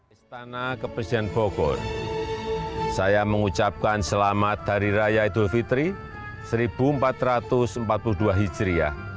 istana kepresiden bogor saya mengucapkan selamat hari raya idul fitri seribu empat ratus empat puluh dua hijriah